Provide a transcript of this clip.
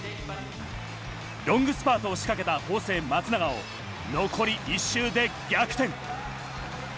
ロングスパートを仕掛けた法政・松永を残り１周で逆転。